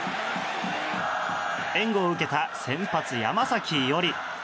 援護を受けた先発、山崎伊織。